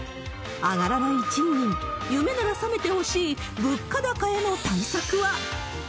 上がらない賃金、夢なら覚めてほしい、物価高への対策は。